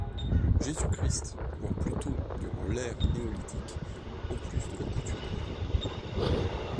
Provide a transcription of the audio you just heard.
J-C., voire plus tôt durant l'Ère Néolithique, en plus de la couture des vêtements.